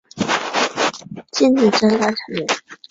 金子真大成员。